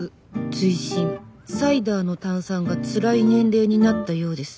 追伸サイダーの炭酸がツライ年齢になったようです。